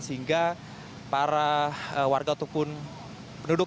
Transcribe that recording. sehingga para warga ataupun penduduk